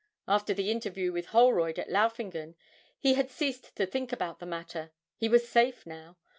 After the interview with Holroyd at Laufingen, he had ceased to think about the matter he was safe now.